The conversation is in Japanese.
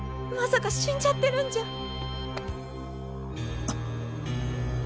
まさか死んじゃってるんじゃ。